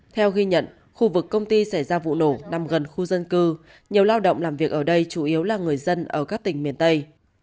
theo ghi nhận khu vực công ty xảy ra vụ nổ nằm gần khu dân cư nhiều lao động làm việc ở đây chủ yếu là người dân ở các tỉnh miền tây